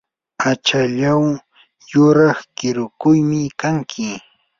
achallaw yuraq kiruyuqmi kanki.